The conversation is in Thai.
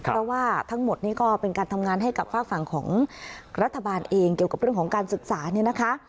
เพราะว่าทั้งหมดนี้ก็เป็นการทำงานให้กับฝากฝั่งของรัฐบาลเองเกี่ยวกับเรื่องของการศึกษาเนี่ยนะคะ